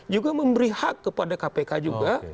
juga memberi hak kepada kpk juga